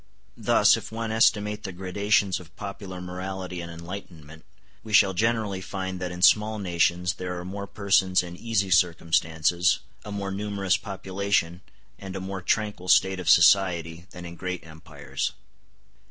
Thus, if one estimate the gradations of popular morality and enlightenment, we shall generally find that in small nations there are more persons in easy circumstances, a more numerous population, and a more tranquil state of society, than in great empires.